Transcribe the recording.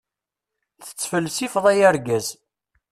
Tettfelsifeḍ a yargaz.